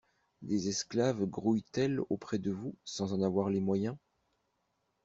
Des esclaves grouillent-elles auprès de vous sans en avoir les moyens?